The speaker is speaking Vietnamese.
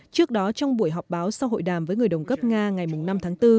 trước đó trong buổi họp báo sau hội đàm với người đồng cấp nga ngày năm tháng bốn